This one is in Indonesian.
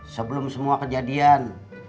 sebelum semua kejadian